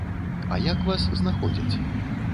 А як вас знаходзяць?